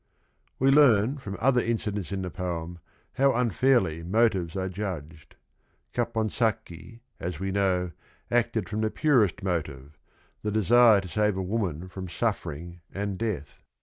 We learn from other incidents in the poem how unfairly motives a 1 " j'HgH i 'ap onsacchi. ~S s we know, acted from the purest motive, — the de sire to ^ave a~wu wan f i om suffe ring and death.